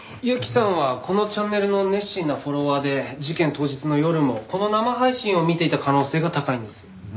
雪さんはこのチャンネルの熱心なフォロワーで事件当日の夜もこの生配信を見ていた可能性が高いんです。